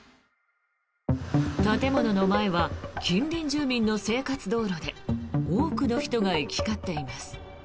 建物の前は近隣住民の生活道路で多くの人が行き交っています。